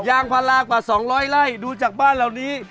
ยางพารากว่า๒๐๐ไร่ดูจากบ้านเหล่านี้